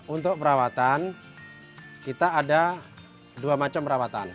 untuk perawatan kita ada dua macam perawatan